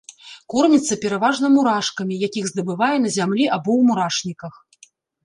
Корміцца пераважна мурашкамі, якіх здабывае на зямлі або ў мурашніках.